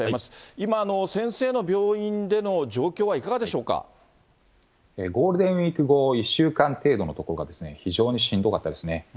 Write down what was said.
今、先生の病院の状況はいかがでゴールデンウィーク後、１週間程度のところが、非常にしんどかったですね。